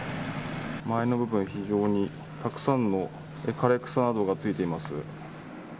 前の部分、非常にたくさんの枯れ草などがついています。